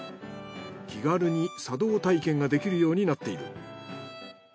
気軽に茶道体験ができるようになっている。